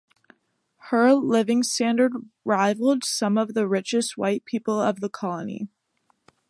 Her living standard rivaled some of the richest white people of the colony.